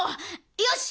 よし！